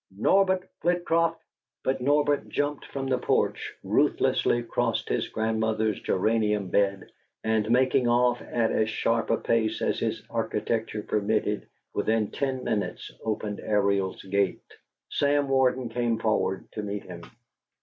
NORBERT FLITCROFT!" But Norbert jumped from the porch, ruthlessly crossed his grandmother's geranium bed, and, making off at as sharp a pace as his architecture permitted, within ten minutes opened Ariel's gate. Sam Warden came forward to meet him.